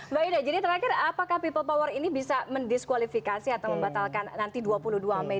mbak ida jadi terakhir apakah people power ini bisa mendiskualifikasi atau membatalkan nanti dua puluh dua mei